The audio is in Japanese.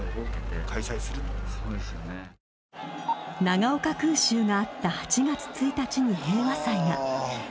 長岡空襲があった８月１日に平和祭が。